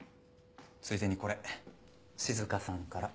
ついでにこれ静歌さんから。